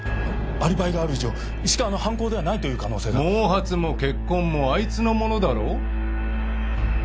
アリバイがある以上石川の犯行ではないという可能性が毛髪も血痕もあいつのものだろ？